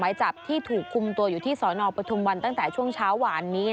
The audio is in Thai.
หมายจับที่ถูกคุมตัวอยู่ที่สนปทุมวันตั้งแต่ช่วงเช้าหวานนี้